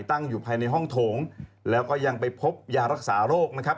ตั้งอยู่ภายในห้องโถงแล้วก็ยังไปพบยารักษาโรคนะครับ